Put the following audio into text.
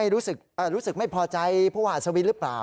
รู้สึกไม่พอใจพวกอาชาบินหรือเปล่า